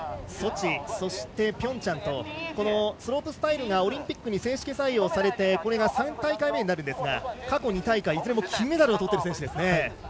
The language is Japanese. ソチ、ピョンチャンとスロープスタイルがオリンピックに正式採用されてこれが３大会目になるんですが過去２大会いずれも金メダルをとっている選手。